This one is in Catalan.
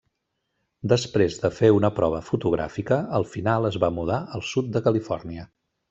Després de fer una prova fotogràfica, al final es va mudar al sud de Califòrnia.